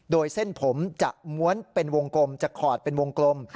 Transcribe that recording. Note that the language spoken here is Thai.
โดยเส้นผมจะม้วนเป็นวงกลมจะขอดเป็นวงกลม